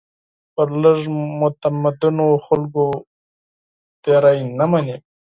پر لږ متمدنو خلکو تېري نه مني.